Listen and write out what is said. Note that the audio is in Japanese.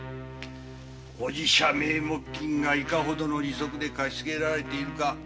お寺社名目金がいかほどの利息で貸し付けられているか